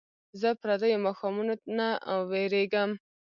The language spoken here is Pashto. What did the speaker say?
زه پردیو ماښامونو نه ویرېږم